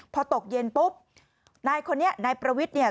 พอตกเย็นปุ๊บนายคนนี้นายประวิทย์เนี่ย